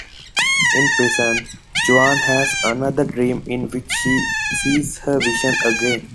In prison, Joan has another dream in which she sees her visions again.